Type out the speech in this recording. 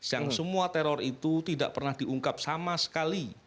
yang semua teror itu tidak pernah diungkap sama sekali